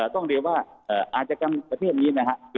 ต้องเรียกอาจการประเทศนี้